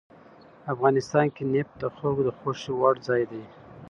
افغانستان کې نفت د خلکو د خوښې وړ ځای دی.